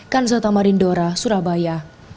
kansata marindora surabaya